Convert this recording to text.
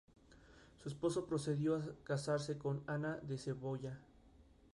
Su esposo procedió a casarse con Ana de Saboya.